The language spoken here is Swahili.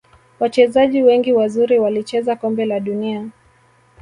Wachezaji wengi wazuri walicheza kombe la dunia